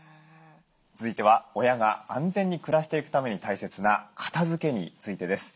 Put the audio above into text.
続いては親が安全に暮らしていくために大切な片づけについてです。